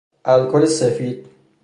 الکل سفید